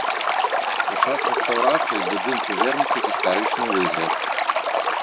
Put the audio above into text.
У час рэстаўрацыі будынку вернуты гістарычны выгляд.